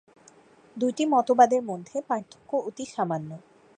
দুইটি মতবাদের মধ্যে পার্থক্য অতি সামান্য।